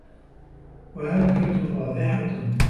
وَهَتْكَةٌ وَاضِحَةٌ